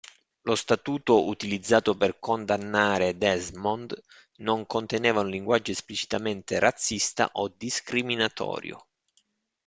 Lo statuto utilizzato per condannare Desmond non conteneva un linguaggio esplicitamente razzista o discriminatorio.